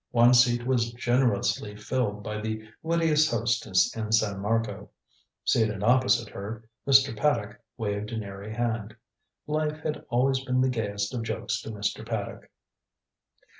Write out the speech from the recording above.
One seat was generously filled by the wittiest hostess in San Marco. Seated opposite her, Mr. Paddock waved an airy hand. Life had always been the gayest of jokes to Mr. Paddock.